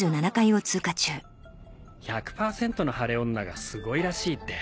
１００％の晴れ女がすごいらしいって